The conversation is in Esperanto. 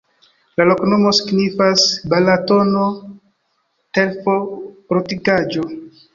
La loknomo signifas: Balatono-terfortikaĵo.